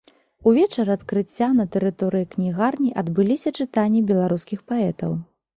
У вечар адкрыцця на тэрыторыі кнігарні адбыліся чытанні беларускіх паэтаў.